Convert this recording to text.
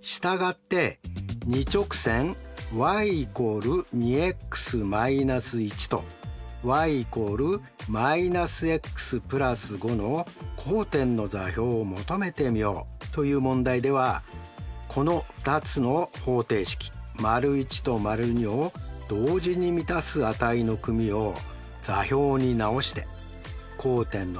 したがって２直線ｙ＝２ｘ−１とｙ＝−ｘ＋５の交点の座標を求めてみようという問題ではこの２つの方程式①と②を同時に満たす値の組を座標に直して交点の座標は